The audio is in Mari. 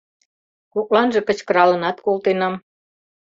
Кокланже кычкыралынат колтенам.